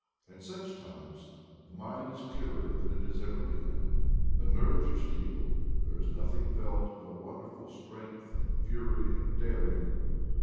At such times the mind is clearer than it has ever been; the nerves are steel; there is noth ing felt but a wonderful strength and fury and daring.